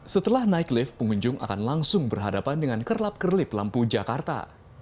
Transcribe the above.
setelah naik lift pengunjung akan langsung berhadapan dengan kerlap kerlip lampu jakarta